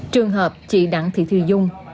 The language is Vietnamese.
trường hợp chị đặng thị thư dung